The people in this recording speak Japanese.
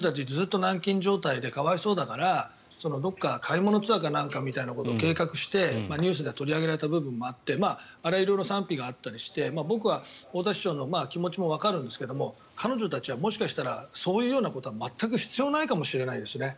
確か、１週間か２週間ぐらい前に太田市長さんが彼女たち、ずっと軟禁状態で可哀想だからどこか買い物ツアーみたいなことを計画して、ニュースで取り上げられた部分もあってあれは色々賛否があったりして僕は太田市長の気持ちもわかるんですが彼女たちはもしかしたらそういうことは全く必要ないかもしれないですね。